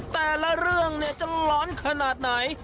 แต่ละเรื่องจะร้อนขนาดไหน